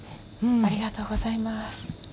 ありがとうございます。